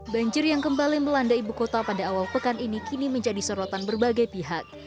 banjir yang kembali melanda ibu kota pada awal pekan ini kini menjadi sorotan berbagai pihak